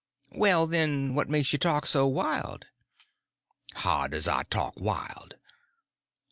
"Well, then, what makes you talk so wild?" "How does I talk wild?"